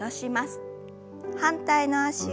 反対の脚を。